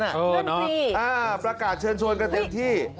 นั่นคืออ้าวประกาศเชิญชวนกระเทมที่